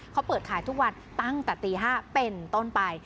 เขาเปิดขายทุกวันตั้งแต่ตี๕เป็นต้นไป